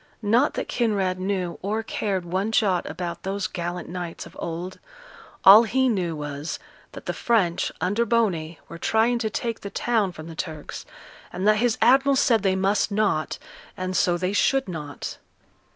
Not that Kinraid knew or cared one jot about those gallant knights of old: all he knew was, that the French, under Boney, were trying to take the town from the Turks, and that his admiral said they must not, and so they should not.